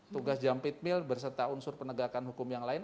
tugas jampit mil berserta unsur penegakan hukum yang lain